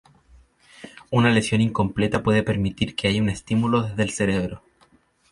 Una lesión incompleta puede permitir que haya un estímulo desde el cerebro.